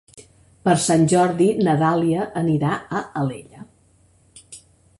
Per Sant Jordi na Dàlia anirà a Alella.